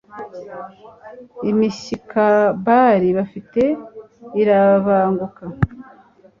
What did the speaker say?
Imishyika bali bafite irabanguka,